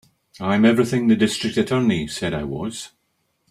I'm everything the District Attorney said I was.